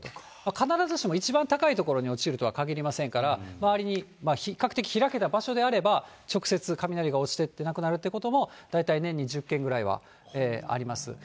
必ずしも一番高い所に落ちるとはかぎりませんから、周りに、比較的開けた場所であれば、直接雷が落ちて亡くなるということも、大体年に１０件くらいはあります。